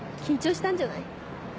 緊張したんじゃない？